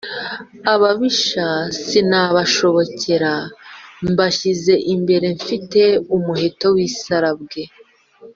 ababisha sinabashobokera, mbashinze imbere mfite umuheto w’isarabwe.